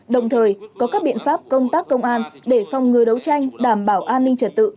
đồng thời có các biện pháp công tác công an để phòng ngừa đấu tranh đảm bảo an ninh trật tự